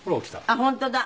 あっ本当だ。